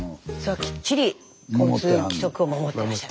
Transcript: きっちり交通規則を守ってらっしゃる。